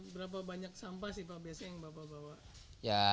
berapa banyak sampah sih pak biasanya yang bapak bawa